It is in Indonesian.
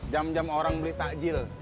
jam jam orang beli takjil